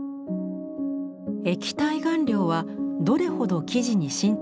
液体顔料はどれほど生地に浸透しやすいのか。